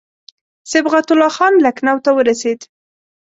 صبغت الله خان لکنهو ته ورسېدی.